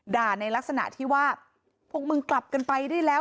ในลักษณะที่ว่าพวกมึงกลับกันไปได้แล้ว